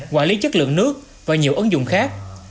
quản lý chất lượng nước và nhiều ứng dụng khác